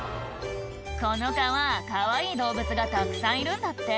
「この川かわいい動物がたくさんいるんだって」